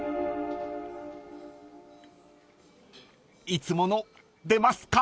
［いつもの出ますか？］